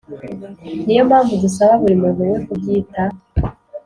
niyo mpamvu dusaba buri muntu we kubyita